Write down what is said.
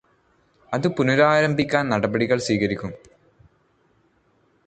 അത് പുനഃരാരംഭിക്കാൻ നടപടികൾ സ്വീകരിക്കും.